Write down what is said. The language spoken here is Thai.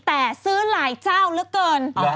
แต่ซื้อหลายเจ้าเหลือเกิน